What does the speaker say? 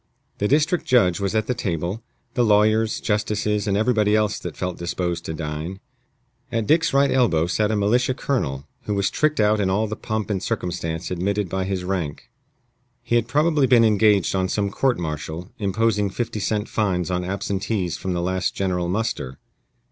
The district judge was at the table, the lawyers, justices, and everybody else that felt disposed to dine. At Dick's right elbow sat a militia colonel, who was tricked out in all the pomp and circumstance admitted by his rank. He had probably been engaged on some court martial, imposing fifty cent fines on absentees from the last general muster.